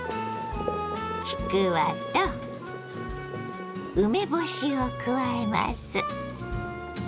ちくわと梅干しを加えます。